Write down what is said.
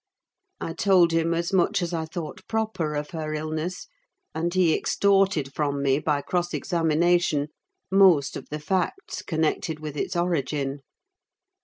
I told him as much as I thought proper of her illness, and he extorted from me, by cross examination, most of the facts connected with its origin.